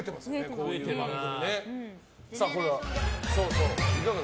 こういう番組。